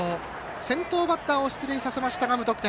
先頭バッターを出塁させましたが無得点。